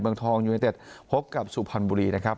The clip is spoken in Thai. เมืองทองยูเนเต็ดพบกับสุพรรณบุรีนะครับ